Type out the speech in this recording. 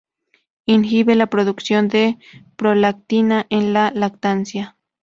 Inhibe la producción de prolactina en la lactancia.